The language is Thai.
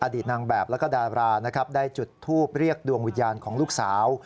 ตนางแบบแล้วก็ดารานะครับได้จุดทูปเรียกดวงวิญญาณของลูกสาว